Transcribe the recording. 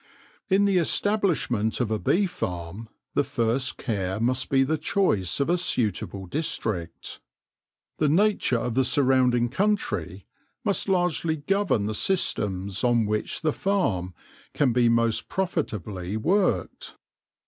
In the establishment of a bee farm the first care must be the choice of a suitable district. The nature of the surrounding country must largely govern the [82 THE LORE OF THE HONEY BEE systems on which the farm can be most profitably worked.